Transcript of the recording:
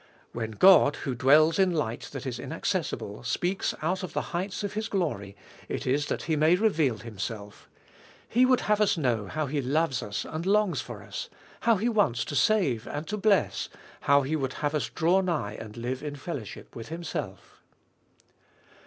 When God, who dwells in light that is inaccessible, speaks out of the heights of His glory, it is that He may reveal Himself. He would have us know how He loves us and longs for us, how He wants to save and to bless, how He would have us draw nigh and live in fellowship with Himself.